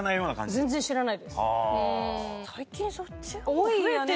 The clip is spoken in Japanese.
多いよね。